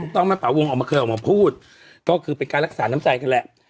ต้องไหมป่าวงออกมาเคยออกมาพูดก็คือเป็นการรักษาน้ำใจกันแหละ